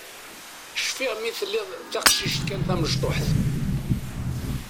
Cfiɣ mi telliḍ d taqcict kan tamecṭuḥt.